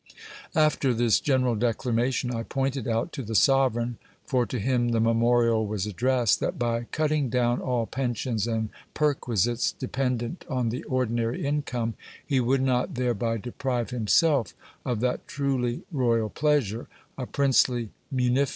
After this general declamation, I po nted out to the sovereign, for to him the memorial was addressed, that by j cutting down all pensions and perquisites dependent on the ordinary income, he would not thereby deprive himself of that truly royal pleasure, a princely munifi